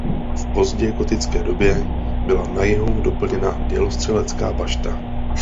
V pozdně gotické době byla na jihu doplněna dělostřelecká bašta.